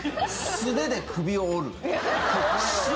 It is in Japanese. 素手で首を折る。